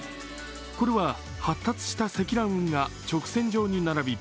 これは発達した積乱雲が直線上に並び